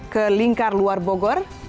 ke lingkar luar bogor